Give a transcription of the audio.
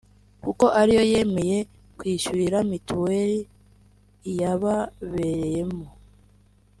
kuko ari yo yemeye kwishyurira mituweri iyababereyemo